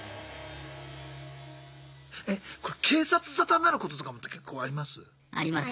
えこれ警察沙汰になることとかもけっこうあります？